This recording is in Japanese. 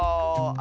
あ！